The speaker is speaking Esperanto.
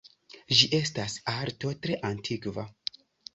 Ĝi estas arto tre antikva.